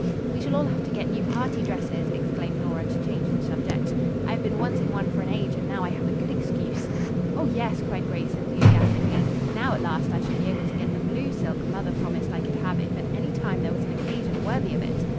"We shall all have to get new party dresses," exclaimed Nora to change the subject. "I have been wanting one for an age and now I have a good excuse." "Oh, yes," cried Grace enthusiastically. "Now, at last, I shall be able to get the blue silk mother promised I could have if at any time there was an occasion worthy of it."